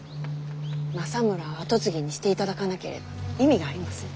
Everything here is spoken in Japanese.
政村を跡継ぎにしていただかなければ意味がありません。